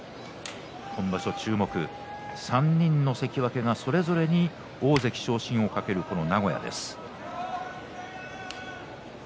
今場所注目３人の関脇がそれぞれ大関昇進を懸けるこの名古屋です。